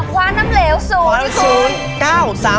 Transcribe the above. ความน้ำเหลว๐นี่คุณ